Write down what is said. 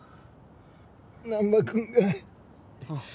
難破君が。